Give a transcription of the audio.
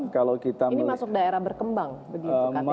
kalau kita ini masuk daerah berkembang